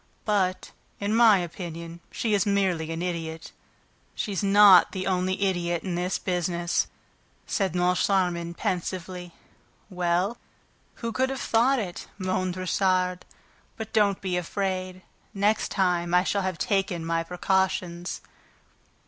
But, in my opinion, she is merely an idiot." "She's not the only idiot in this business," said Moncharmin pensively. "Well, who could have thought it?" moaned Richard. "But don't be afraid ... next time, I shall have taken my precautions."